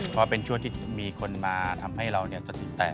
เพราะเป็นช่วงที่มีคนมาทำให้เราสติแตก